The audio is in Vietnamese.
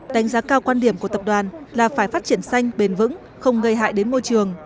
đánh giá cao quan điểm của tập đoàn là phải phát triển xanh bền vững không gây hại đến môi trường